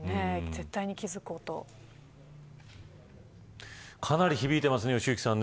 絶対に気かなり響いてますね良幸さん。